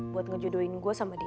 buat ngejodohin gue sama dia